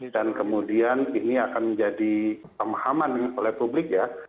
dan kemudian ini akan menjadi pemahaman oleh publik ya